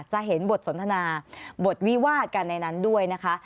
จะเห็นบทสนทนาบทวิวาดกันในนั้นด้วยนะคะ